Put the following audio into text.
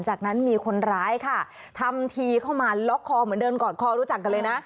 จากนั้นมีคนร้ายค่ะทำทีเข้ามาล็อกคอเหมือนเดินกอดคอรู้จักกันเลยนะ